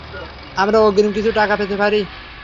আমরা অগ্রিম কিছু টাকা পেতে পারি?